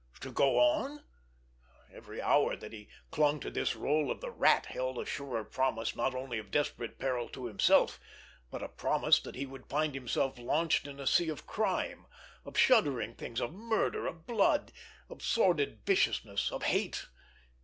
To go on? Every hour that he clung to this role of the Rat held a surer promise, not only of desperate peril to himself, but a promise that he would find himself launched in a sea of crime, of shuddering things, of murder, of blood, of sordid viciousness, of hate.